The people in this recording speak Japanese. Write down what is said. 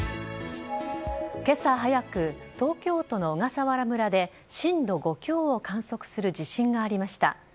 けさ早く、東京都の小笠原村で、震度５強を観測する地震がありました。